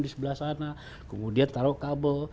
di sebelah sana kemudian taruh kabel